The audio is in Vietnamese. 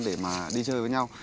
để mà đi chơi với nhau